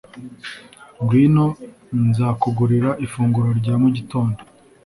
Ngwino nzakugurira ifunguro rya mu gitondo